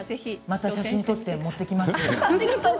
また写真を撮って持ってきます。